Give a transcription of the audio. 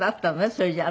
それじゃあ。